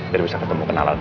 dari besok ketemu kenalan